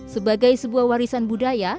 sebagai sebuah warisan budaya